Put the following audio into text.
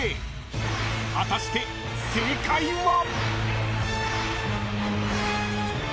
［果たして正解は？］